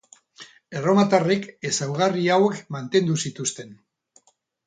Erromatarrek ezaugarri hauek mantendu zituzten.